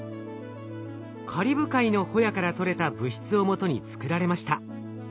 カリブ海のホヤからとれた物質をもとに作られました。